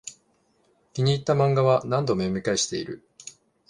気に入ったマンガは何度も読み返してる